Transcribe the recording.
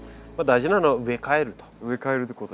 大事なのは植え替えると。